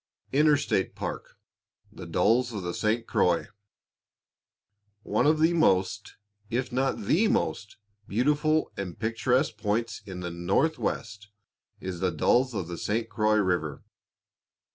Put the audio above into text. INTERSTATE PARK THE DALLES OF THE ST. CROIX. One of the most, if not the most, beautiful and picturesque points in the Northwest is the Dalles of the St. Croix river.